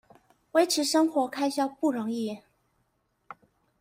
維持生活開銷不容易